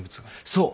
そう。